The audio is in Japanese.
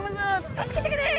「助けてくれ！」